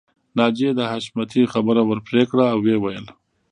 ناجیې د حشمتي خبره ورپرې کړه او ويې ويل